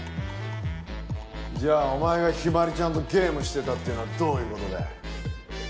じゃあお前が陽葵ちゃんとゲームしてたっていうのはどういう事だ？